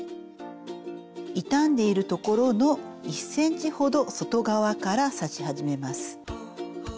傷んでいる所の１ｃｍほど外側から刺し始めます。